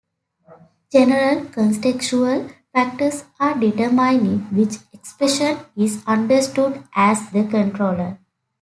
General contextual factors are determining which expression is understood as the controller.